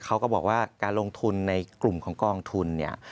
เขาก็บอกว่าการลงทุนในกลุ่มของกองทุนเนี่ย